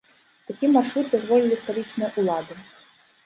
Такі маршрут дазволілі сталічныя ўлады.